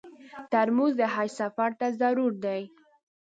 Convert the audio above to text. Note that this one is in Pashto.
ترموز د حج سفر ته ضرور دی.